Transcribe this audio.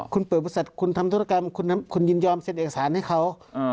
คุณเปิดบริษัทคุณทำธุรกรรมคุณยินยอมเซ็นเอกสารให้เขา